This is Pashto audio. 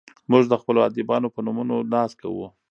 موږ د خپلو ادیبانو په نومونو ناز کوو.